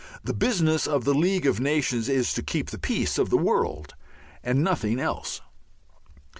The business of the League of Nations is to keep the peace of the world and nothing else.